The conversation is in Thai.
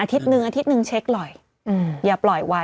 ซักหนึ่งเช็คละอย่าปลอยไว้